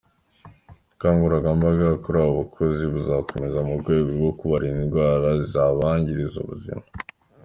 Ubukangurambaga kuri aba bakozi bukazakomeza mu rwego rwo kubarinda indwara zabangiriza ubuzima.